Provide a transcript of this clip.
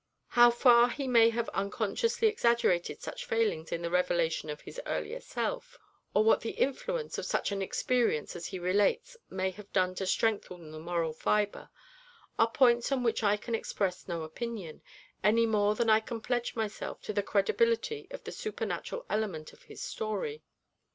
How far he may have unconsciously exaggerated such failings in the revelation of his earlier self, or what the influence of such an experience as he relates may have done to strengthen the moral fibre, are points on which I can express no opinion, any more than I can pledge myself to the credibility of the supernatural element of his story.